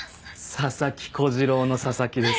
佐々木小次郎の佐々木です。